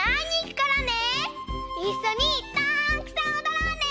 いっしょにたくさんおどろうね！